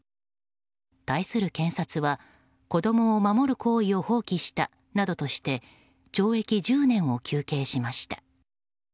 対する検察は子供を守る行動を放棄したなどとして懲役１０年を求刑しました。